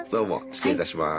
失礼いたします。